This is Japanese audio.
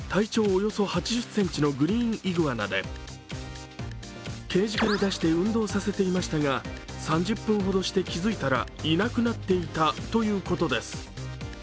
およそ８０ｃｍのグリーンイグアナでケージから出して運動させていましたが３０分ほどして気づいたらいなくなっていたということです。